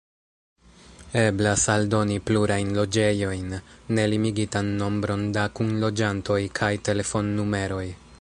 Eblas aldoni plurajn loĝejojn, ne limigitan nombron da kunloĝantoj kaj telefonnumeroj.